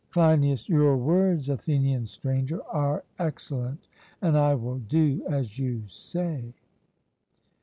CLEINIAS: Your words, Athenian Stranger, are excellent, and I will do as you say.